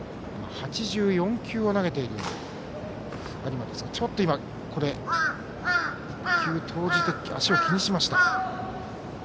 ８４球を投げている有馬ですがちょっと、１球を投じたあと足を気にしました。